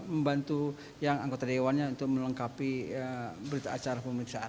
membantu yang anggota dewannya untuk melengkapi berita acara pemeriksaan